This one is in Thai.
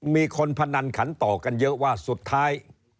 มีคนพนันขันต่อกันเยอะว่าสุดท้าย